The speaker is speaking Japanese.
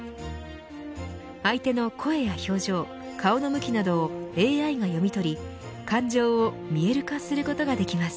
相手の声や表情、顔の向きなどをＡＩが読み取り感情を見える化することができます。